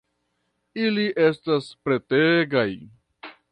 Ili estas pretegaj